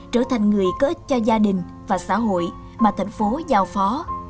trở thành người có ích cho gia đình và xã hội mà thành phố giao phó